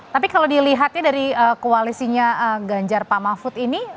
tapi kalau dilihatnya dari koalisinya ganjar pak mahfud ini